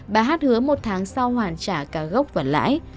bà hát hứa một tháng sau hoàn trả cả gốc và lãi